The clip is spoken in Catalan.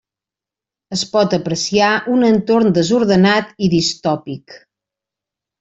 Es pot apreciar un entorn desordenat i distòpic.